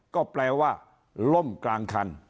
ก็แปลว่าล่มกลางคัน